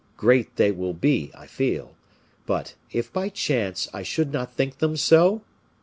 Great they will be, I feel but, if by chance I should not think them so?